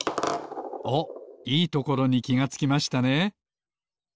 おっいいところにきがつきましたね。